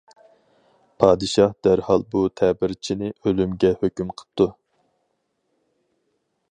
پادىشاھ دەرھال بۇ تەبىرچىنى ئۆلۈمگە ھۆكۈم قىپتۇ.